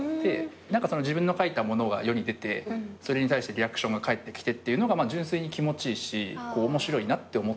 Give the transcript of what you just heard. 自分の書いたものが世に出てそれに対してリアクションが返ってきてっていうのが純粋に気持ちいいし面白いなって思ったっていう。